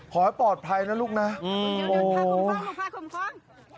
ขอให้ปลอดภัยนะลูกนะอืมโอ้โห